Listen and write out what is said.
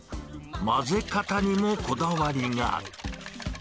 混ぜ方にもこだわりが。